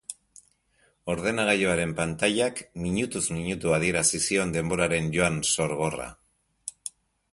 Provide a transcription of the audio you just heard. Ordenagailuaren pantailak minutuz minutu adierazi zion denboraren joan sorgorra.